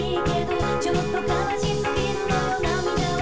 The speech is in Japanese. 「ちょっと悲しすぎるのよ涙は」